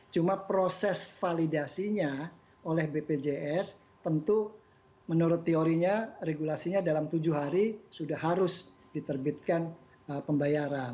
cuma proses validasinya oleh bpjs tentu menurut teorinya regulasinya dalam tujuh hari sudah harus diterbitkan pembayaran